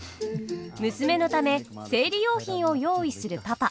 娘のため生理用品を用意するパパ。